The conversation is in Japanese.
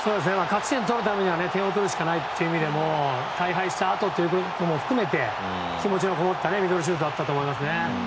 勝ち点を取るためには点を取るしかないという意味でも大敗したあとということも含めて気持ちのこもったミドルシュートだったと思います。